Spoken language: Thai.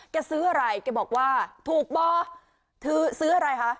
ซื้ออะไรแกบอกว่าถูกบ่อซื้ออะไรคะ